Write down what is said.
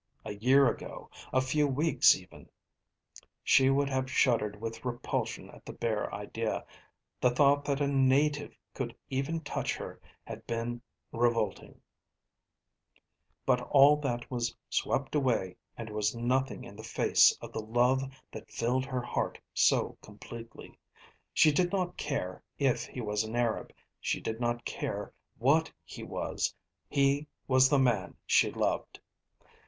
A year ago, a few weeks even, she would have shuddered with repulsion at the bare idea, the thought that a native could even touch her had been revolting, but all that was swept away and was nothing in the face of the love that filled her heart so completely. She did not care if he was an Arab, she did not care what he was, he was the man she loved.